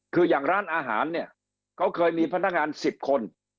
คืออย่างร้านอาหารเนี่ยเขาเคยมีพนักงาน๑๐คน